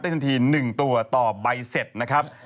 ทันที๑ตัวต่อใบเสร็จนะครับ